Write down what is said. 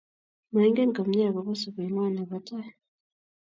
maingen komye akobo sobeng'wang' nebo tai